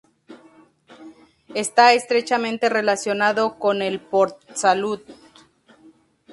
Está estrechamente relacionado con el "port-salut".